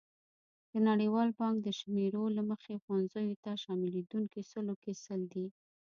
د نړیوال بانک د شمېرو له مخې ښوونځیو ته شاملېدونکي سلو کې سل دي.